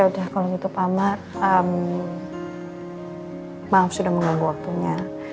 ya udah kalau begitu pak amar maaf sudah mengambil waktunya